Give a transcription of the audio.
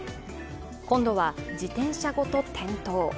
今度は自転車ごと転倒。